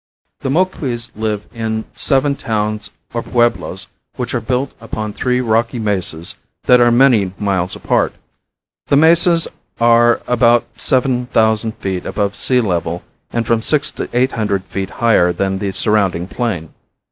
The Moquis live in seven towns or pueblos which are built upon three rocky mesas that are many miles apart. The mesas are about seven thousand feet above sea level and from six to eight hundred feet higher than the surrounding plain.